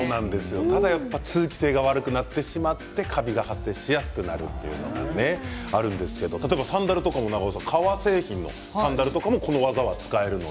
ただ、通気性が悪くなってカビが発生しやすくなるというのがあるんですけど例えば、サンダルも革製品にこの技は使えます。